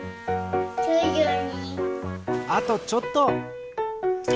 あとちょっと。